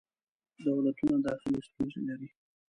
دولتونه داخلې ستونزې لري.